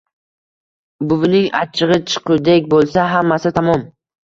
Buvining achchig‘i chiqqudek bo‘lsa hammasi tamom.